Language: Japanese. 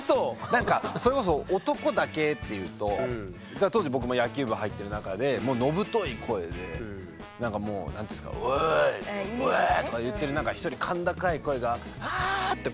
なんかそれこそ男だけっていうと当時僕も野球部入ってる中で野太い声でなんかもうなんていうんですか「おい！」とか「おお！」とか言ってる中１人甲高い声が「ああ！」って